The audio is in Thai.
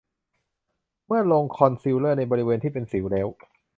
เมื่อลงคอนซีลเลอร์ในบริเวณที่เป็นสิวแล้ว